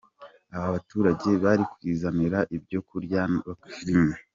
Aba baturage bari kuyizanira ibyo kurya bari ikunda.